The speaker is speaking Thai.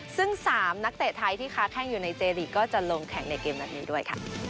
ซึ่ง๓นักเตะไทยที่ค้าแข้งอยู่ในเจลีกก็จะลงแข่งในเกมนัดนี้ด้วยค่ะ